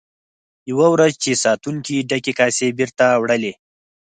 یوه ورځ چې ساتونکو ډکې کاسې بیرته وړلې.